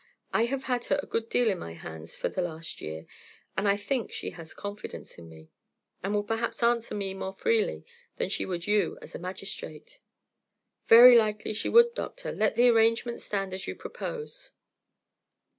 I have had her a good deal in my hands for the last year, and I think she has confidence in me, and will perhaps answer me more freely than she would you as a magistrate." "Very likely she would, doctor. Let the arrangement stand as you propose."